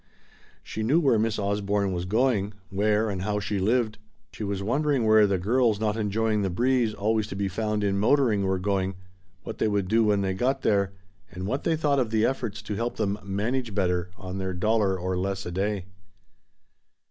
She knew where Miss Osborne was going, where and how she lived; she was wondering where the girls not enjoying the breeze always to be found in motoring were going, what they would do when they got there, and what they thought of the efforts to help them "manage better" on their dollar or less a day.